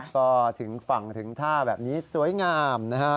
ก็ถึงฝั่งถึงท่าแบบนี้สวยงามนะฮะ